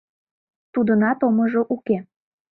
Тудынат омыжо уке.